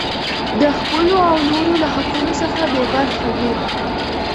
د خپلو او نورو له حقونو څخه بې خبره وي.